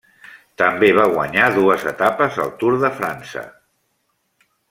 També va guanyar dues etapes al Tour de França.